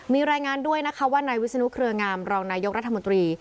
มีรายงานด้วยนะคะว่านายวิศนุเครืองามรองนายกรัฐมนตรี